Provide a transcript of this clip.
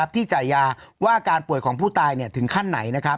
ที่จ่ายยาว่าการป่วยของผู้ตายถึงขั้นไหน